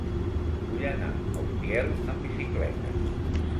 Vull anar a Utiel amb bicicleta.